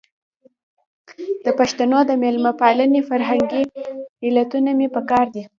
د پښتنو د مېلمه پالنې فرهنګي علتونه مې په کار دي.